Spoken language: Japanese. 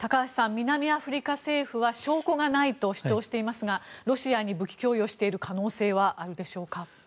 南アフリカ政府は証拠がないと主張していますがロシアに武器供与している可能性はあるでしょうか。